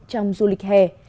trong du lịch hè